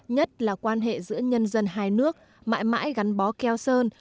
nhất là quan hệ giữa nhân dân hai nước mãi mãi gắn bó keo sơn